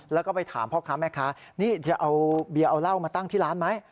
แล้วก็ไปถามพ่อค้าแม่ค้านี่จะเอาเบียร์เอาเหล้ามาตั้งที่ร้านไหม